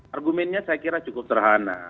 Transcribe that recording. argumennya saya kira cukup terhana